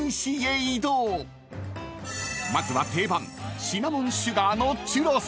［まずは定番シナモンシュガーのチュロス］